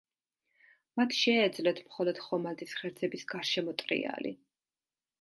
მათ შეეძლოთ მხოლოდ ხომალდის ღერძების გარშემო ტრიალი.